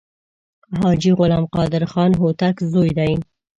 حاجي غلام قادر خان هوتک زوی دی.